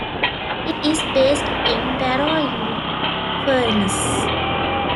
It is based in Barrow-in-Furness.